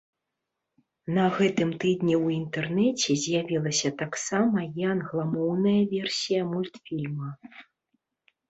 На гэтым тыдні ў інтэрнэце з'явілася таксама і англамоўная версія мультфільма.